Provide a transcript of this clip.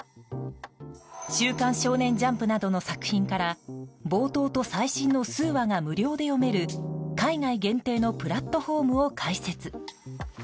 「週刊少年ジャンプ」などの作品から冒頭と最新の数話が無料で読める海外限定のプラットホームを開設。